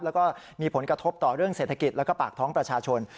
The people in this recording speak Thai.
แล้วก็มีผลกระทบต่อเรื่องเศรษฐกิจแล้วก็ปากท้องประชาชน